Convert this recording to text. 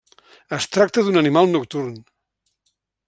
Es tracta d'un animal nocturn.